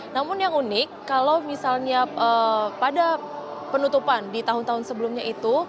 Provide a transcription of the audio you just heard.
namun yang unik kalau misalnya pada penutupan di tahun tahun sebelumnya itu